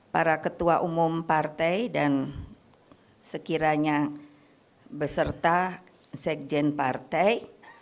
para ketua umum partai dan sekiranya beserta sekjen partai